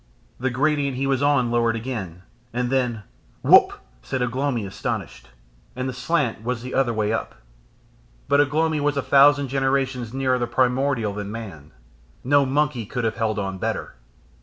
The gradient he was on lowered again, and then "Whup!" said Ugh lomi astonished, and the slant was the other way up. But Ugh lomi was a thousand generations nearer the primordial than man: no monkey could have held on better.